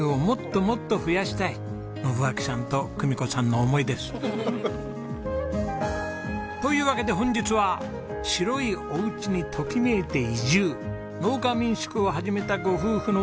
信秋さんと久美子さんの思いです。というわけで本日は白いお家にときめいて移住農家民宿を始めたご夫婦のお話です。